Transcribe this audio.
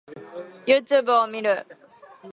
Youtube を見る